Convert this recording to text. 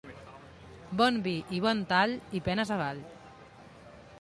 Bon vi i bon tall i penes avall.